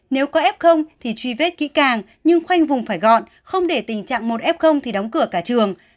nếu có f thì truy vết kỹ càng nhưng khoanh vùng phải gọn không để tình trạng một f thì đóng cửa cả trường